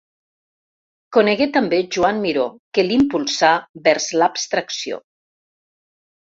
Conegué també Joan Miró que l'impulsà vers l'abstracció.